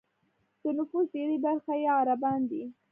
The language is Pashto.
د نفوس ډېری برخه یې عربان دي.